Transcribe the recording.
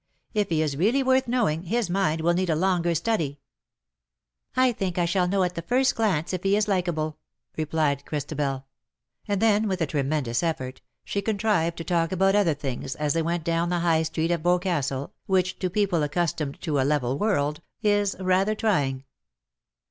" If he is really worth knowing, his mind will need a longer study." VOL. I. D 34 THE DAYS THAT ARE NO MORE. ^^ I think I shall know at the first glance if he is likeable/^ replied Christabel ; and then, with a tremendous effort, she contrived to talk about other things as they went down the High Street of Bos castle, which, to people accustomed to a level world, is rather trying.